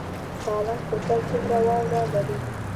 سالنګ کوتل څومره واوره لري؟